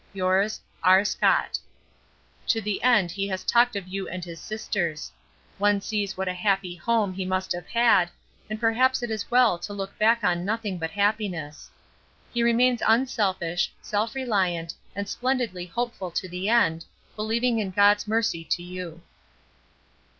Yours, R. SCOTT. To the end he has talked of you and his sisters. One sees what a happy home he must have had and perhaps it is well to look back on nothing but happiness. He remains unselfish, self reliant and splendidly hopeful to the end, believing in God's mercy to you.